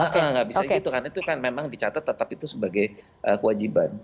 nggak bisa gitu karena itu kan memang dicatat tetap itu sebagai kewajiban